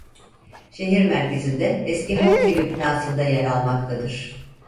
Şehir merkezinde eski Halkevi binasında yer almaktadır.